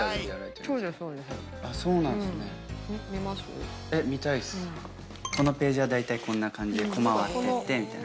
ここでこのページは大体こんな感じでコマ割ってってみたいな。